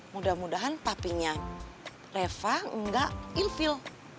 mudah mudahan papinya reva enggak ilfil